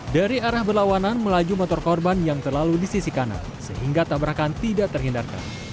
dari arah berlawanan melaju motor korban yang terlalu di sisi kanan sehingga tabrakan tidak terhindarkan